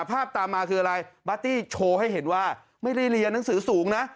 ตามมาคืออะไรปาร์ตี้โชว์ให้เห็นว่าไม่ได้เรียนหนังสือสูงนะ